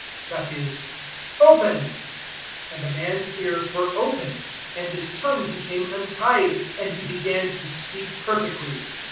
(that is, "Open!") 007:035 And the man's ears were opened, and his tongue became untied, and he began to speak perfectly.